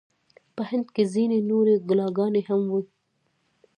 په هند کې ځینې نورې کلاګانې هم وې.